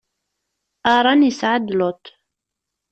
Aṛan isɛa-d Luṭ.